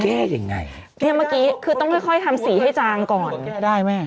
แก้ยังไงเนี่ยเมื่อกี้คือต้องค่อยค่อยทำสีให้จางก่อนแก้ได้แม่